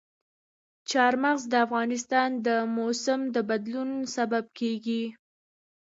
چار مغز د افغانستان د موسم د بدلون سبب کېږي.